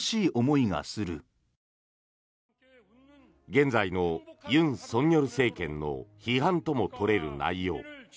現在の尹錫悦政権の批判とも取れる内容。